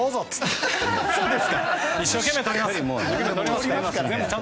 全部一生懸命とります。